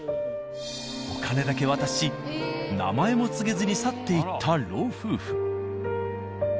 お金だけ渡し名前も告げずに去っていった老夫婦。